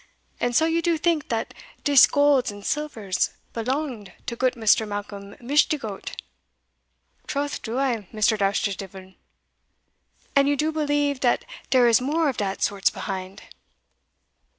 And so you do tink dat dis golds and silvers belonged to goot Mr. Malcolm Mishdigoat?" "Troth do I, Mr. Dousterdeevil." "And you do believe dat dere is more of dat sorts behind?"